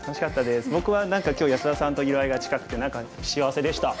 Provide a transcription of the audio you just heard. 僕は何か今日安田さんと色合いが近くて幸せでした。